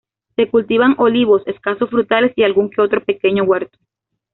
Se cultivan olivos, escasos frutales y algún que otro pequeño huerto.